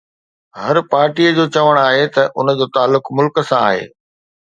هر پارٽيءَ جو چوڻ آهي ته ان جو تعلق ملڪ سان آهي